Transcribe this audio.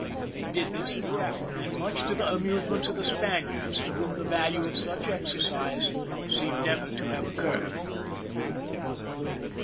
They did this throughont, much to the amusement of the Spaniards, to whom the value of such exercise seemed never to have occurred.